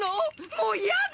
もう嫌だ！